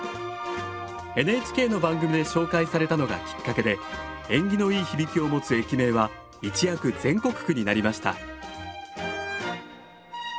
ＮＨＫの番組で紹介されたのがきっかけで縁起のいい響きを持つ駅名は一躍全国区になりました。